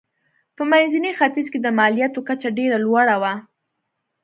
په منځني ختیځ کې د مالیاتو کچه ډېره لوړه وه.